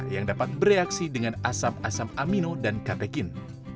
yang dapat bereaksi dengan asap asam amino dan katekin